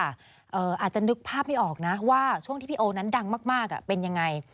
อาจจะนึกภาพไม่ออกนะว่าช่วงที่พี่โอนั้นดังมากเป็นยังไง